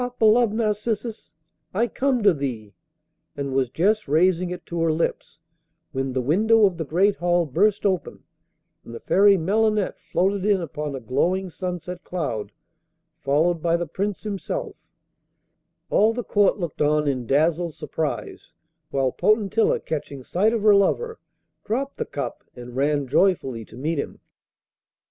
beloved Narcissus, I come to thee!' and was just raising it to her lips when the window of the great hall burst open, and the Fairy Melinette floated in upon a glowing sunset cloud, followed by the Prince himself: All the court looked on in dazzled surprise, while Potentilla, catching sight of her lover, dropped the cup and ran joyfully to meet him.